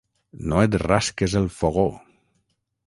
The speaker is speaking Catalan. No et rasques el fogó!